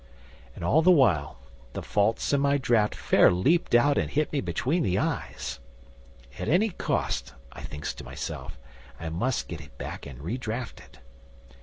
'And all the while the faults in my draft fair leaped out and hit me between the eyes. At any cost, I thinks to myself, I must get it back and re draft it.